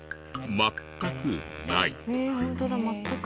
全くない。